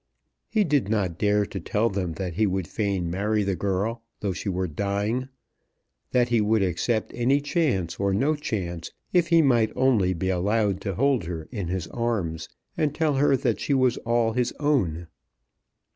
He did not dare to tell them that he would fain marry the girl though she were dying, that he would accept any chance or no chance, if he might only be allowed to hold her in his arms, and tell her that she was all his own.